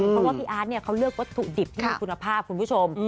เพราะว่าพี่อาร์ตเขาเลือกวัตถุดิบที่มีคุณภาพคุณผู้ชม